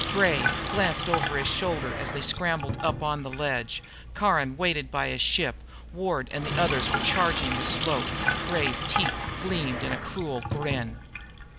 Gray glanced over his shoulder as they scrambled up on the ledge. Caron waited by his ship. Ward and the others were charging the slope. Gray's teeth gleamed in a cruel grin.